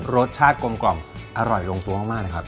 รสชาติกลมกล่อมอร่อยลงตัวมากนะครับ